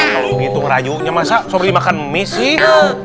kalau gitu ngerayunya masa sobri makan umi sih